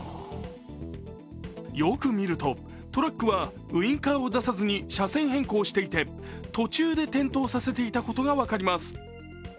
よく見るとトラックはウインカーを出さずに車線変更していて途中で転倒させていたことが分かります。